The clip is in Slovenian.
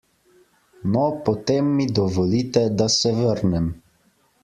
No, potem mi dovolite, da se vrnem.